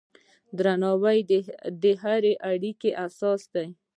درناوی د هرې اړیکې اساس دی.